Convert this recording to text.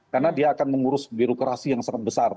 karena dia akan mengurus birokrasi yang sangat besar